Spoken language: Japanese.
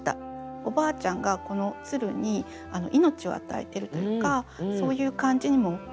おばあちゃんがこの鶴に命を与えてるというかそういう感じにも見えてくる